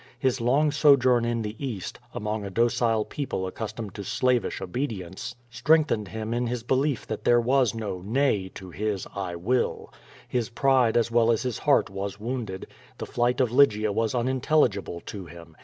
His long sojourn in the East, among a docile people accustomed to slavish obedience, strengthened him in his belief that there was no "nay^' to his "I will.'* His pride as well as his heart was wounded. The flight of Lygia was unintelligible to him.